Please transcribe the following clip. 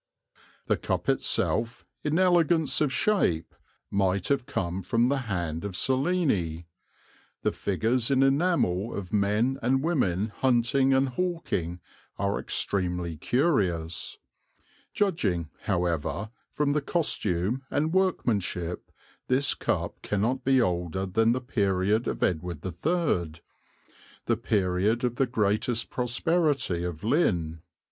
"The cup itself, in elegance of shape, might have come from the hand of Cellini. The figures in enamel of men and women hunting and hawking are extremely curious. Judging, however, from the costume and workmanship this cup cannot be older than the period of Edward III the period of the greatest prosperity of Lynn.